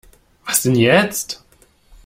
Was denn jetzt?